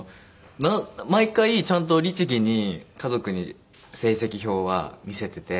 毎回ちゃんと律義に家族に成績表は見せてて。